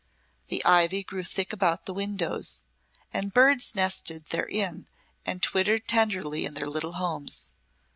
The ivy grew thick about the windows, and birds nested therein and twittered tenderly in their little homes.